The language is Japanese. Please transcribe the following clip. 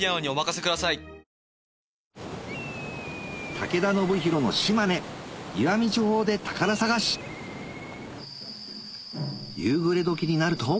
武田修宏の島根石見地方で宝探し夕暮れ時になると